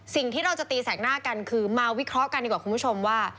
สิ่งที่เราจะตีแสกหน้ากันคือมาวิเคราะห์กันดีกว่าคุณผู้ชมว่า